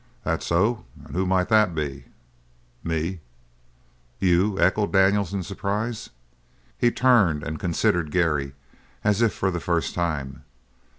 "That so? And who might he be?" "Me." "You?" echoed Daniels in surprise. He turned and considered Gary as if for the first time.